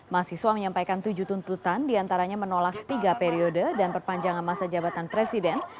mahasiswa menyampaikan tujuh tuntutan diantaranya menolak tiga periode dan perpanjangan masa jabatan presiden